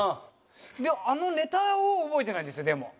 あのネタを覚えてないんですよでも。